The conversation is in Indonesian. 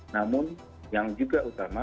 namun yang juga utama